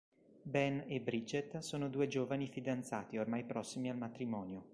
Ben e Bridget sono due giovani fidanzati ormai prossimi al matrimonio.